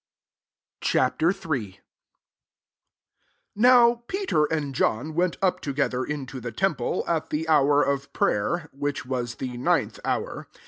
Ch. III. 1 NOW Peter and (olm went up together into the tfinple, at the hour of prayer, vAich vm» the ninth hour.